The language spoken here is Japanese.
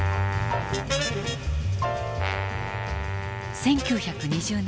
１９２０年代。